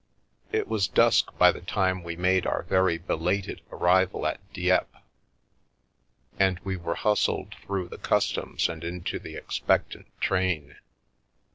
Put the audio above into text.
It was dusk by the time we made our very belated arrival at Dieppe, and we were hustled through the customs and into the expectant train.